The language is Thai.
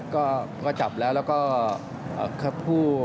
ก็จับแล้วแล้วก็ผู้